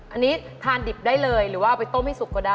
อันนี้ทานดิบได้เลยหรือว่าเอาไปต้มให้สุกก็ได้